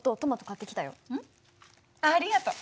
うんありがとう。